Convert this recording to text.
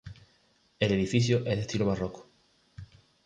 El edificio es de estilo barroco.